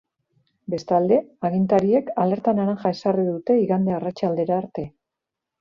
Bestalde, agintariek alerta laranja ezarri dute igande arratsaldera arte.